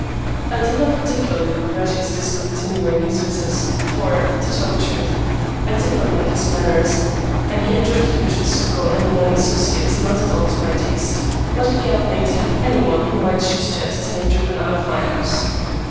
I did not particularly regret his discontinuing his visits, for, to tell the truth, I did not like his manners, and he had drifted into a circle and among associates not at all to my taste, but it galled me to have any one whom I chose to entertain driven out of my house.